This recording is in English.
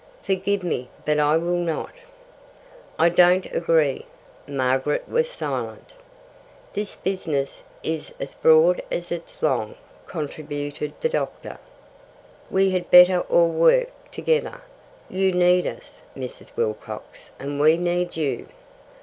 "Forgive me, but I will not." "I don't agree." Margaret was silent. "This business is as broad as it's long," contributed the doctor. "We had better all work together. You need us, Mrs. Wilcox, and we need you."